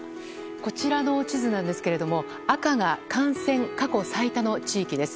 こちらの地図なんですが赤が感染過去最多の地域です。